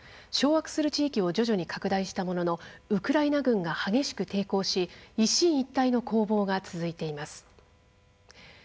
掌握する地域を徐々に拡大したもののウクライナ軍が激しく抵抗し一進一退の攻防が続いています。